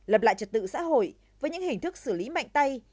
lập lại trật tự xã hội với những hình thức xử lý mạnh tay